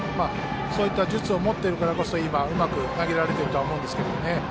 そういった術を持っているからこそうまく投げられてると思いますね。